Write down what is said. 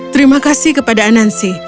terima kasih kepada anansi